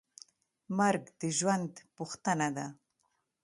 مرګ د ژوند پوښتنه ده.